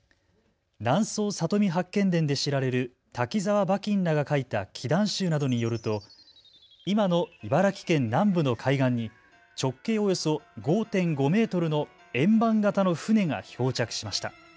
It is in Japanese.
南総里見八犬伝で知られる滝沢馬琴らが書いた奇談集などによると今の茨城県南部の海岸に直径およそ５．５メートルの円盤型の舟が漂着しました。